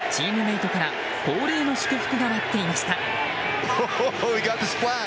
ベンチではチームメートから恒例の祝福が待っていました。